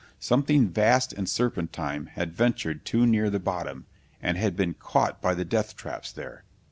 Something vast and serpentine had ventured too near the bottom and had been caught by the death traps there!